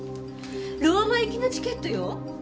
ローマ行きのチケットよ！